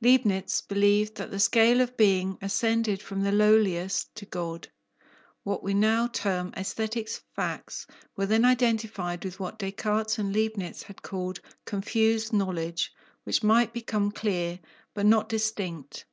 Leibnitz believed that the scale of being ascended from the lowliest to God. What we now term aesthetic facts were then identified with what Descartes and Leibnitz had called "confused" knowledge, which might become "clear," but not distinct.